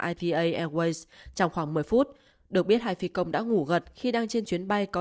ipa ai airways trong khoảng một mươi phút được biết hai phi công đã ngủ gật khi đang trên chuyến bay có